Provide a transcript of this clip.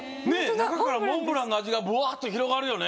中からモンブランの味がぶわっと広がるよね。